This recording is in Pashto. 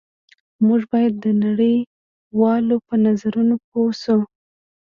موږ باید د نړۍ والو په نظرونو پوه شو